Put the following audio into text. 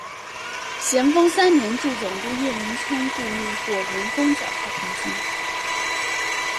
咸丰三年助总督叶名琛雇觅火轮攻剿太平军。